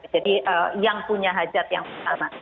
jadi yang punya hajat yang pertama